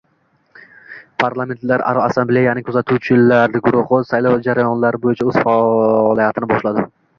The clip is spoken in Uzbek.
Parlamentlararo Assambleyaning kuzatuvchilar guruhi saylov jarayonlari bo‘yicha o‘z faoliyatini boshladi